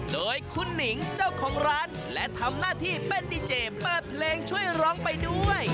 โดยคุณหนิงเจ้าของร้านและทำหน้าที่เป็นดีเจเปิดเพลงช่วยร้องไปด้วย